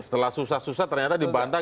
setelah susah susah ternyata dibantah